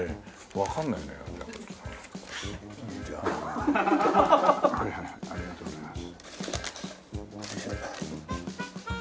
はいはいありがとうございます。